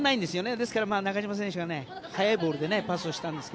ですから、中島選手が速いボールでパスしたんですが。